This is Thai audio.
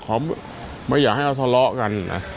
เขาไม่อยากให้เขาทะเลาะกันนะ